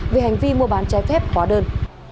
về hành vi mua bán trái phép hóa đơn